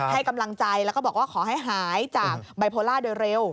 ให้กำลังใจแล้วก็บอกว่าขอให้หายจากไบโพล่าโดยเร็ว